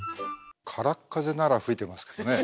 空っ風なら吹いてますけどねえ。